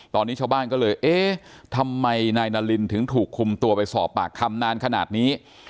ตอนนี้ชาวบ้านก็เลยเอ๊ะทำไมนายนารินถึงถูกคุมตัวไปสอบปากคำนานขนาดนี้